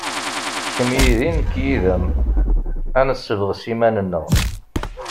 Kemm yid-i, nekk yid-m, ad nessebɣes iman-nneɣ.